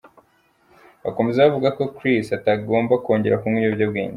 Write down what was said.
Bakomeza bavuga ko Chris atagomba kongera kunywa ibiyobyabwenge.